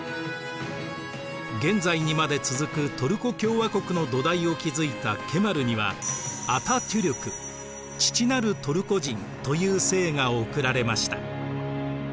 現在にまで続くトルコ共和国の土台を築いたケマルにはアタテュルク父なるトルコ人という姓が贈られました。